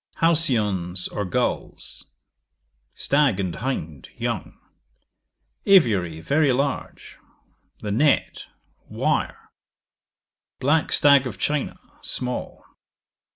Halcyons, or gulls. Stag and hind, young. Aviary, very large; the net, wire. Black stag of China, small.